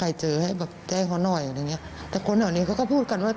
ใครเจอให้แปะแจ้งเขาหน่อยแต่คนเหน่านี้ก็พูดกันว่า